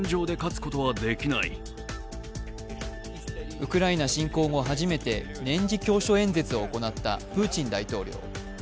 ウクライナ侵攻後初めて年次教書演説を行ったプーチン大統領。